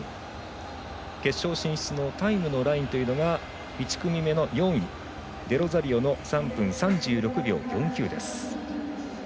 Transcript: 決勝進出のタイムのラインというのが１組目の４位、デロザリオの３分３６秒４９です。